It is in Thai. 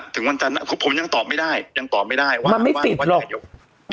ถึงวันจันทร์ผมยังตอบไม่ได้ยังตอบไม่ได้ว่ามันไม่ติดว่านายก